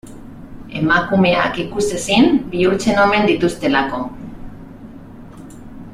Emakumeak ikusezin bihurtzen omen dituztelako.